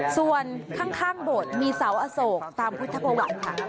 ส่วนข้างโบสถ์มีเสาอโศกตามพุทธประวัติค่ะ